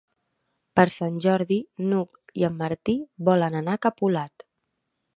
Per Sant Jordi n'Hug i en Martí volen anar a Capolat.